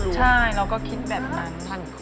ใช่เราก็คิดแบบนั้น